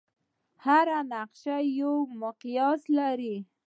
هره نقشه یو مقیاس لري.